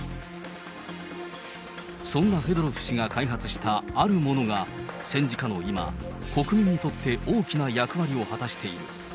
そんなフェドロフ氏が開発したあるものが、戦時下の今、国民にとって大きな役割を果たしている。